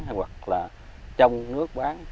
hoặc là trong nước bán